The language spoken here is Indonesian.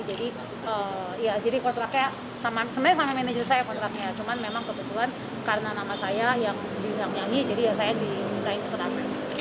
jadi kontraknya sebenarnya sama manajernya saya kontraknya cuman memang kebetulan karena nama saya yang diundang nyanyi jadi saya diundang nyanyi